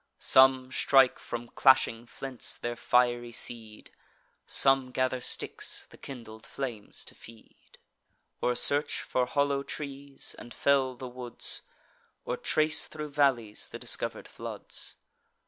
Some strike from clashing flints their fiery seed; Some gather sticks, the kindled flames to feed, Or search for hollow trees, and fell the woods, Or trace thro' valleys the discover'd floods.